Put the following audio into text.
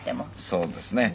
そうですね。